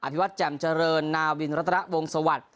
ภิวัตรแจ่มเจริญนาวินรัตนวงสวัสดิ์